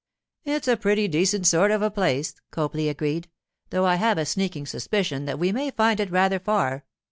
'It is a pretty decent sort of a place,' Copley agreed, 'though I have a sneaking suspicion that we may find it rather far.